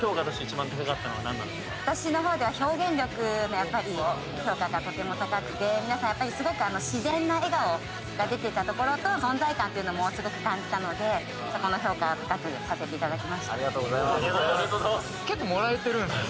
私のほうでは表現力のやっぱり評価がとても高くて皆さんやっぱりすごくあの自然な笑顔が出てたところと存在感というのもすごく感じたのでそこの評価は高くさせていただきましたありがとうございます結構もらえてるんですよね